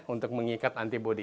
untuk mengikat anti bodi